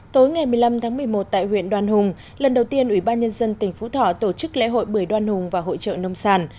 tối ngày một mươi năm tháng một mươi một tại huyện đoan hùng lần đầu tiên ủy ban nhân dân tỉnh phú thọ tổ chức lễ hội bưởi đoan hùng và hội trợ nông sản